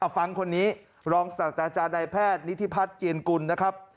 ฟังคนนี้รองศาสตราจารย์นายแพทย์นิธิพัฒน์เจียนกุลนะครับ